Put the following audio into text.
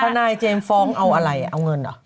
ทนายเจมส์ฟ้องเอาอะไรเอาเงินเหรอ